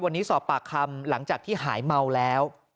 วันนี้สอบปากคำหลังจากที่หายเมาแล้ว